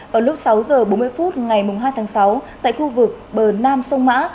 vào lúc sáu h bốn mươi phút ngày hai tháng sáu tại khu vực bờ nam sông mã